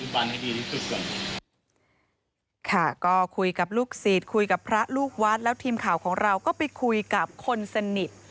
ค่ะก็คุยกับลูกศิษย์คุยกับพระลูกวัดแล้วทีมข่าวของเราก็ไปคุยกับคนสนิท